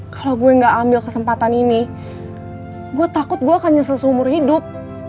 kalau gue gak ambil kesempatan ini gue takut gue akan nyesel seumur hidup